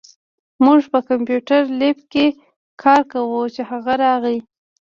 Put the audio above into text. مونږ په کمپیوټر لېب کې کار کوو، چې هغه راغی